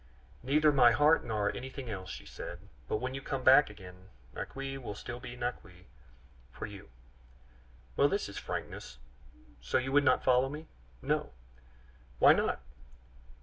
"Neither my heart nor anything else," she said; "but when you come back again, Naqui will still be Naqui for you." "Well, this is frankness. So you would not follow me?" "No." "Why not?"